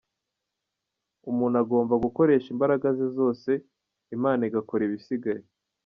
Umuntu agomba gukoresha imbaraga ze zose, Imana igakora ibisigaye.